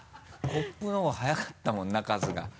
コップのほうが早かったもんな春日。